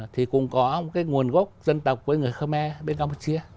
thì cũng có cái nguồn gốc dân tộc với người khmer bên campuchia